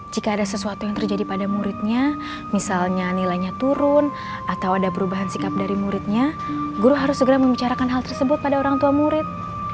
jika ada sesuatu yang terjadi pada muridnya misalnya nilainya turun atau ada perubahan sikap dari muridnya guru harus segera membicarakan hal tersebut pada orang tua murid